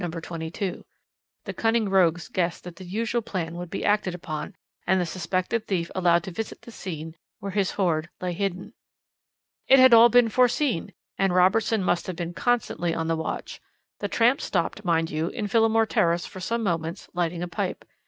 22. The cunning rogues guessed that the usual plan would be acted upon, and the suspected thief allowed to visit the scene where his hoard lay hidden. "It had all been foreseen, and Robertson must have been constantly on the watch. The tramp stopped, mind you, in Phillimore Terrace for some moments, lighting a pipe.